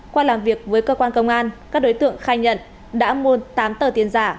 qua làm việc với cơ quan công an các đối tượng khai nhận đã mua tám tờ tiền giả